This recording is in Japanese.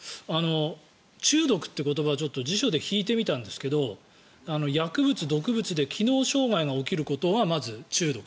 中毒って言葉を辞書で引いてみたんですけど薬物、毒物で機能障害が起こることがまず中毒。